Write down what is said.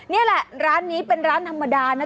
นี่แหละร้านนี้เป็นร้านธรรมดานะ